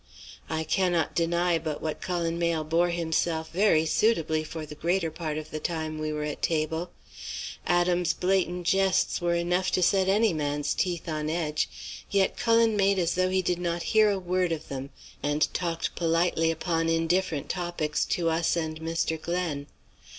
"I cannot deny but what Cullen Mayle bore himself very suitably for the greater part of the time we were at table. Adam's blatant jests were enough to set any man's teeth on edge, yet Cullen made as though he did not hear a word of them, and talked politely upon indifferent topics to us and Mr. Glen.